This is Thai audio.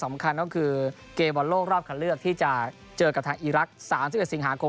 สมคัญก็คือเกมบอลโลกรอบขาดเลือกที่จะเจอกันทางอิรัก